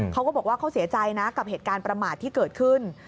เขาก็บอกว่าเขาเสียใจนะกับเหตุการณ์ประมาทที่เกิดขึ้น